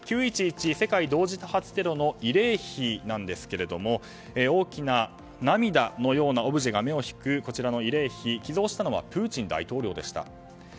９・１１世界同時多発テロの慰霊碑なんですが大きな涙のようなオブジェが目を引くこちらの慰霊碑寄贈したのはプーチン大統領でした。